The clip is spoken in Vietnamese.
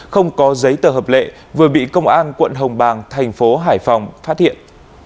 không có giấy tờ hợp lệ vừa bị công an quận hồng bàng thành phố hải phòng phát hiện